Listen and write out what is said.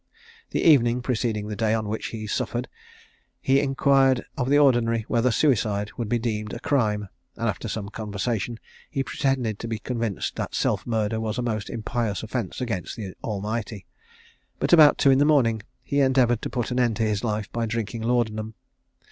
The evening preceding the day on which he suffered he inquired of the Ordinary whether suicide could be deemed a crime; and after some conversation, he pretended to be convinced that self murder was a most impious offence against the Almighty; but about two in the morning, he endeavoured to put an end to his life by drinking laudanum.